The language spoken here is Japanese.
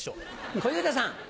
小遊三さん。